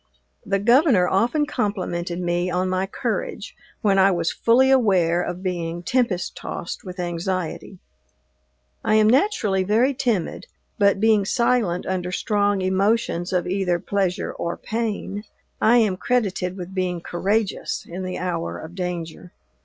The Governor often complimented me on my courage, when I was fully aware of being tempest tossed with anxiety. I am naturally very timid, but, being silent under strong emotions of either pleasure or pain, I am credited with being courageous in the hour of danger.